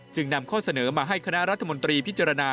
นำข้อเสนอมาให้คณะรัฐมนตรีพิจารณา